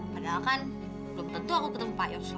padahal kan belum tentu aku ketemu pak yos lagi